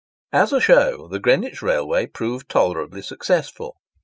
As a show, the Greenwich Railway proved tolerably successful.